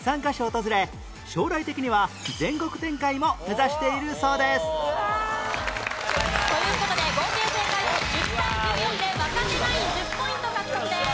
訪れ将来的には全国展開も目指しているそうですという事で合計正解数１０対１４で若手ナイン１０ポイント獲得です。